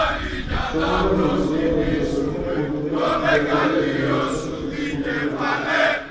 Son una cultura dentro de una cultura, de ahí la denominación subcultura.